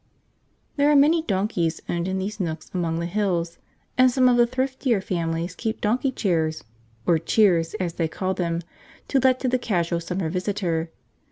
There are many donkeys owned in these nooks among the hills, and some of the thriftier families keep donkey chairs (or 'cheers,' as they call them) to let to the casual summer visitor.